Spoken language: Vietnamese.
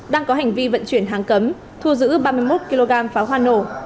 đang có hành vi vận chuyển hàng cấm thu giữ ba mươi một kg pháo hoa nổ